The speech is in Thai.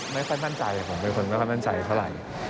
ไม่ค่อยมั่นใจผมเป็นคนไม่ค่อยมั่นใจเท่าไหร่